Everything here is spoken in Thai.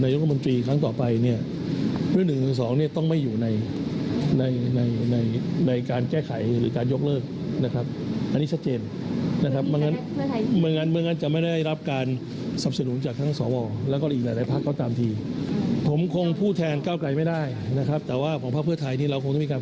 ย้อนฝั่งที่คุณเสธาเคยให้สัมภาษณ์วันนั้นหน่อยค่ะ